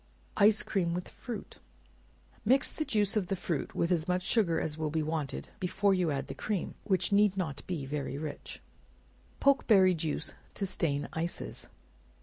Ice Cream with Fruit. Mix the juice of the fruit with as much sugar as will be wanted before you add the cream, which need not be very rich. Pokeberry Juice to Stain Ices.